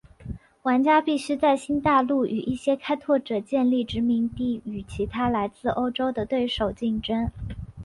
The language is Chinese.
玩家必须在新大陆与一些开拓者建立殖民地与其他来自欧洲的对手竞争。